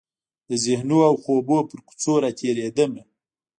د ذهنونو او خوبونو پر کوڅو راتیریدمه